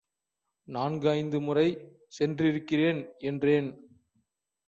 நான்கு ஐந்து முறை சென்றிருக்கிறேன் என்றேன்.